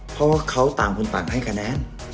เพราะว่าเขาต่างคนต่างให้คะแนน